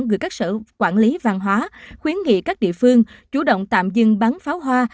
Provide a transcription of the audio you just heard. gửi các sở quản lý văn hóa khuyến nghị các địa phương chủ động tạm dừng bắn pháo hoa